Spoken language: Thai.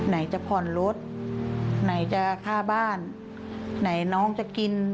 ไหนจะผ่อนรถไหนจะค่าบ้านไหนน้องจะกิน